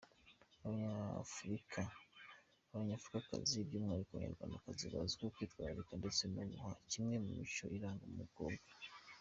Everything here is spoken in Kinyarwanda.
Abanyafurikakazi by’umwihariko Abanyarwandakazi bazwiho kwitwararika ndetse no kubaha kimwe mu mico iranga umukobwa.